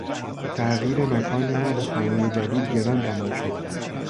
تغییر مکان ما به خانهی جدید گران تمام شد.